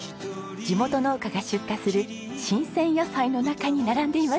地元農家が出荷する新鮮野菜の中に並んでいますよ。